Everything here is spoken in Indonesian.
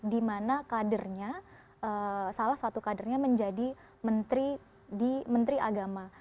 di mana kadernya salah satu kadernya menjadi menteri agama